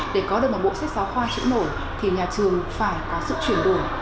để có được một bộ sách giáo khoa chữ nổi thì nhà trường phải có sự chuyển đổi